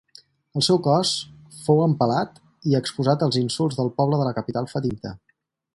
El seu cos fou empalat i exposat als insults del poble la capital fatimita.